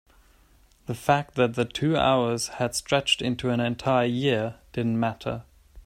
the fact that the two hours had stretched into an entire year didn't matter.